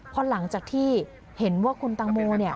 พอหลังจากที่เห็นว่าคุณตังโมเนี่ย